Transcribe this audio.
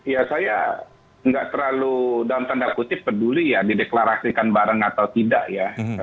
ya saya nggak terlalu dalam tanda kutip peduli ya dideklarasikan bareng atau tidak ya